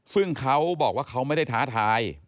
ซึ่งเขาบอกว่าเขาไม่ได้ท้าทาย